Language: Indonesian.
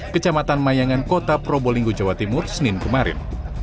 kecamatan mayangan kota probolinggo jawa timur senin kemarin